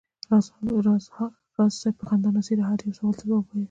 راز صاحب په خندانه څېره هر یو سوال ته ځواب وایه.